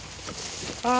あ！